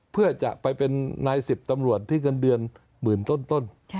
เพื่อจะไปเป็นนาย๑๐ตำรวจที่เงินเดือนหมื่นต้น